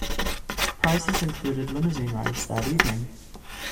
Prizes included limousine rides that evening.